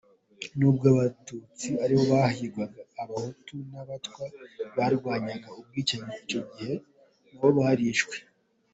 Nubwo Abatutsi aribo bahigwaga, Abahutu n’Abatwa barwanyaga ubwicanyi icyo gihe nabo barishwe.”